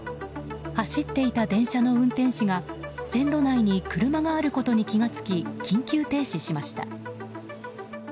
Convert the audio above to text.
走っていた電車の運転士が線路内に車があることに気が付き緊急停止しました。